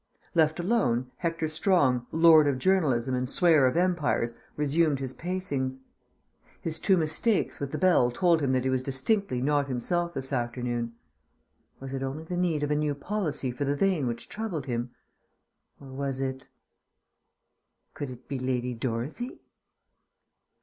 Left alone, Hector Strong, lord of journalism and swayer of empires, resumed his pacings. His two mistakes with the bell told him that he was distinctly not himself this afternoon. Was it only the need of a new policy for The Vane which troubled him? Or was it Could it be Lady Dorothy?